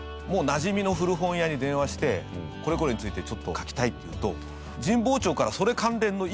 もうなじみの古本屋に電話してこれこれについてちょっと書きたいって言うと。